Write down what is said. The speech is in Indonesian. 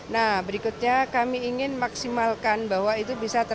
nah berikutnya kami ingin maksimalkan bahwa itu bisa terjadi